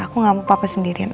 aku gak mau papa sendirian